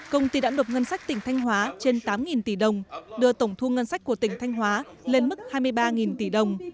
công ty đã nộp ngân sách tỉnh thanh hóa trên tám tỷ đồng đưa tổng thu ngân sách của tỉnh thanh hóa lên mức hai mươi ba tỷ đồng